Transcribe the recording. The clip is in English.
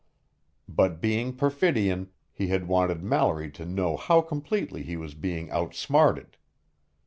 But being Perfidion, he had wanted Mallory to know how completely he was being outsmarted.